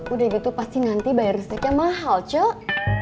udah gitu pasti nanti bayar resepnya mahal cuk